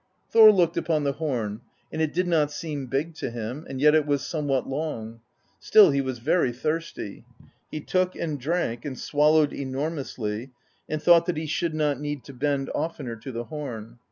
Thor looked upon the horn, and it did not seem big to him; and yet it was somewhat long. Still he was very thirsty; he took and drank, and swallowed enor mously, and thought that he should not need to bend oftener to the horn.